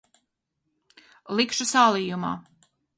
Likšu sālījumā.